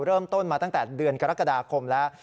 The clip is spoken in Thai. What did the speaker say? เริ่มต้นมาตั้งแต่เดือนกรกฎาคมแล้ว